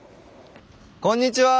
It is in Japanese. こんにちは。